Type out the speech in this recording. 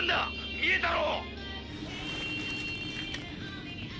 見えたろ！